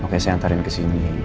oke saya antarin kesini